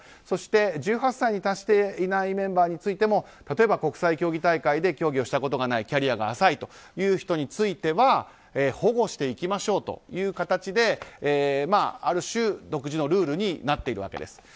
そして１８歳に達していないメンバーについても例えば、国際競技大会で競技をしたことがないキャリアが浅いという人に対しては保護していきましょうという形である種、独自のルールになっているわけです。